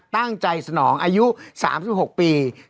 ตั้งใจสนองอายุ๓๖ปี